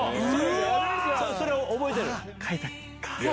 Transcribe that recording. それ覚えてる？